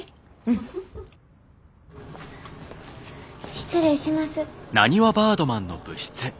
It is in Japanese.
失礼します。